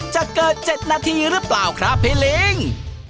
จะเกิด๗นาทีหรือเปล่าครับพี่ลิง